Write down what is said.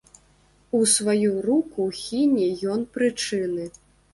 У сваю руку хіне ён прычыны.